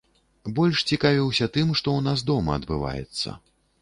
Больш цікавіўся тым, што ў нас дома адбываецца.